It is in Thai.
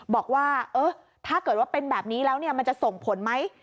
บอกว่าถ้าเกิดว่าเป็นแบบนี้แล้วมันจะส่งผลไหม